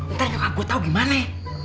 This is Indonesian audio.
ntar nyokap gue tau gimana